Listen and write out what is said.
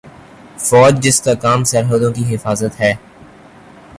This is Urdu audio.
فوج جس کا کام سرحدوں کی حفاظت ہے